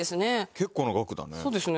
結構な額だね。